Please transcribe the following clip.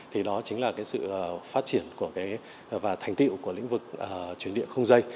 thì đó chính là sự phát triển và thành tựu của lĩnh vực chuyển điện không dây